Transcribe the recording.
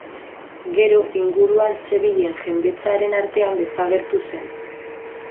Gero inguruan zebilen jendetzaren artean desagertu zen.